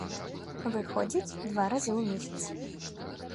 Выходзіць два разы ў месяц.